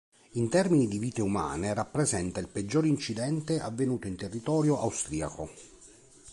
In termini di vite umane rappresenta il peggior incidente avvenuto in territorio austriaco.